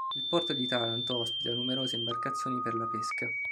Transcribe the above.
Il porto di Taranto ospita numerose imbarcazioni per la pesca.